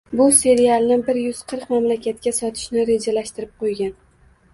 bu serialni bir yuz qirq mamlakatga sotishni rejalashtirib qo‘ygan.